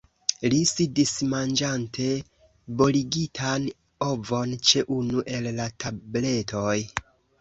Li sidis manĝante boligitan ovon ĉe unu el la tabletoj.